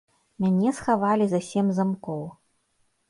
Мяне схавалі за сем замкоў.